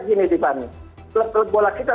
begini dipani klub klub bola kita